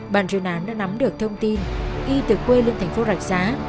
bàn truyền án đã nắm được thông tin y tự quê lên thành phố rạch giá